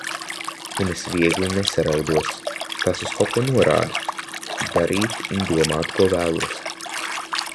Un es viegli nesaraudos. Tas uz kaut ko norāda!! Darīt un domāt, ko vēlos.